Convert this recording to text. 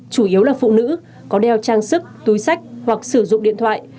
chủ yếu là phụ nữ có đeo trang sức túi sách hoặc sử dụng điện thoại